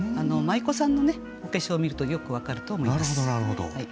舞妓さんのお化粧を見るとよく分かると思います。